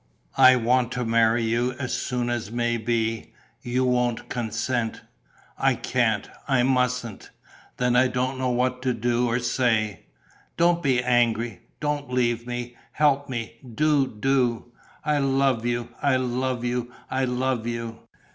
"I want to marry you as soon as may be. You won't consent." "I can't. I mustn't." "Then I don't know what to do or say." "Don't be angry. Don't leave me. Help me, do, do! I love you, I love you, I love you!"